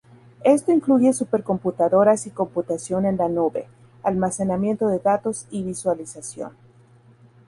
Esto incluye supercomputadoras y computación en la nube, almacenamiento de datos y visualización.